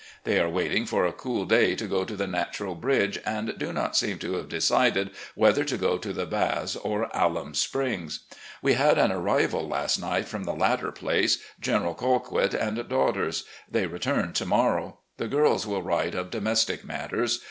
They are waiting for a cool day to go to the Natural Bridge, and do not seem to have decided whether to go to the Baths or Alum Springs. We had an arrival last night from the latter place — General Colquit and daughters. They return to morrow. The girls will write of domestic matters.